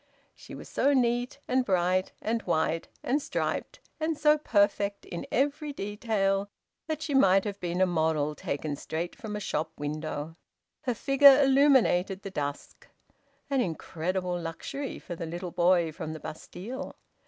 She was so neat and bright and white and striped, and so perfect in every detail, that she might have been a model taken straight from a shop window. Her figure illuminated the dusk. An incredible luxury for the little boy from the Bastille!